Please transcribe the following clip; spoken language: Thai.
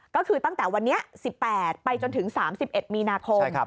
ก็คือตั้งแต่วันนี้๑๘ไปจนถึง๓๑มีนาคม